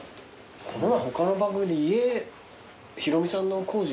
この前他の番組で家ヒロミさんの工事のやつで。